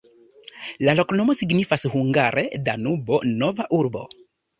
La loknomo signifas hungare Danubo-nova-urbo.